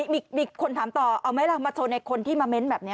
มีคนถามต่อเอาไหมล่ะมาโชว์ในคนที่มาเม้นต์แบบนี้